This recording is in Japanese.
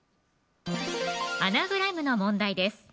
アナグラムの問題です